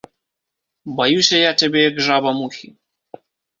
Баюся я цябе, як жаба мухі!